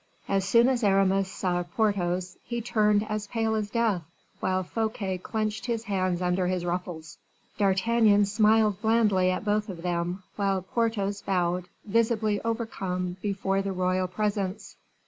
As soon as Aramis saw Porthos, he turned as pale as death, while Fouquet clenched his hands under his ruffles. D'Artagnan smiled blandly at both of them, while Porthos bowed, visibly overcome before the royal presence.